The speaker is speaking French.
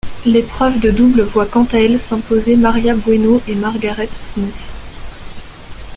L'épreuve de double voit quant à elle s'imposer Maria Bueno et Margaret Smith.